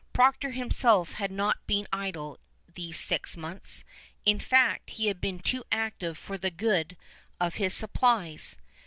Procter himself had not been idle these six months. In fact, he had been too active for the good of his supplies.